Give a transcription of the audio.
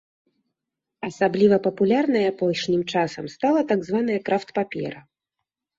Асабліва папулярнай апошнім часам стала так званая крафт-папера.